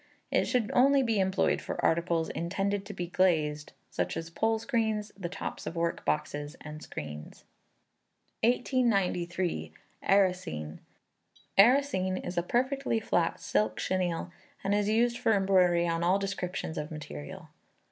It should only be employed for articles intended to be glazed, such as pole screens, the tops of work boxes, and screens. 1893. Arrasene. Arrasene is a perfectly flat silk chenille and is used for embroidery on all descriptions of material.